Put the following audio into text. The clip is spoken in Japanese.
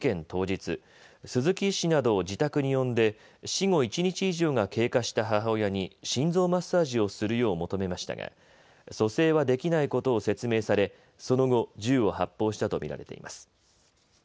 当日鈴木医師などを自宅に呼んで死後１日以上が経過した母親に心臓マッサージをするよう求めましたが蘇生はできないことを説明されその後、銃を発砲したと見られています。